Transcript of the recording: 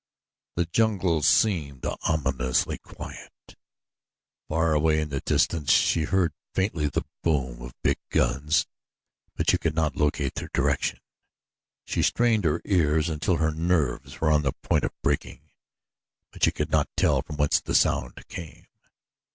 The jungle seemed ominously quiet. Far away in the distance she heard faintly the boom of big guns; but she could not locate their direction. She strained her ears until her nerves were on the point of breaking; but she could not tell from whence the sound came.